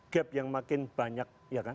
gap yang makin banyak